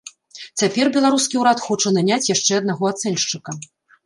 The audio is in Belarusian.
Цяпер беларускі ўрад хоча наняць яшчэ аднаго ацэншчыка.